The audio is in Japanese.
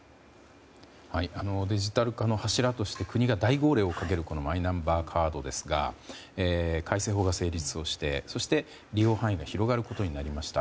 デジタル化の柱として国が大号令をかけるこのマイナンバーカードですが改正法が成立をして、利用範囲が広がることになりました。